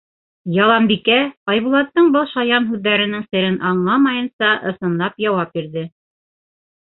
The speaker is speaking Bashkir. Яланбикә, Айбулаттың был шаян һүҙҙәренең серен аңламайынса, ысынлап яуап бирҙе: